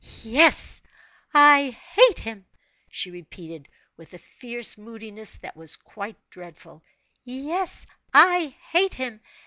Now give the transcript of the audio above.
"Yes, I hate him!" she repeated, with a fierce moodiness that was quite dreadful, "yes, I hate him!